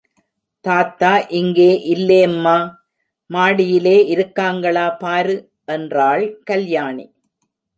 தாத்தா இங்கே இல்லேம்மா, மாடியிலே இருக்காங்களா பாரு, என்றாள் கல்யாணி.